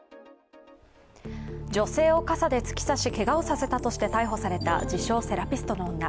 女性を傘で突き刺しけがをさせて逮捕された自称・セラピストの女。